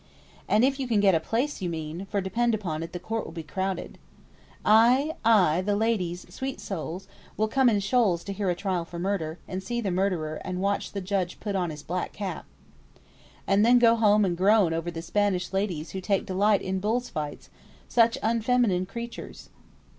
"And if you can get a place, you mean, for depend upon it the court will be crowded." "Ay, ay, the ladies (sweet souls) will come in shoals to hear a trial for murder, and see the murderer, and watch the judge put on his black cap." "And then go home and groan over the Spanish ladies who take delight in bull fights 'such unfeminine creatures!'"